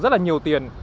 rất là nhiều tiền